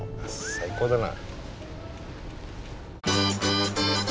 最高だな。